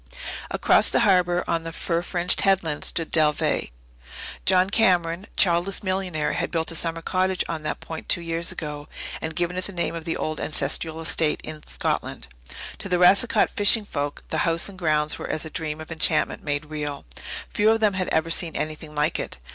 Across the harbour, on a fir fringed headland, stood Dalveigh. John Cameron, childless millionaire, had built a summer cottage on that point two years ago, and given it the name of the old ancestral estate in Scotland. To the Racicot fishing folk the house and grounds were as a dream of enchantment made real. Few of them had ever seen anything like it.